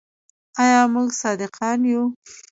آیا موږ صادقان یو؟